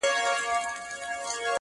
عابد ملنګ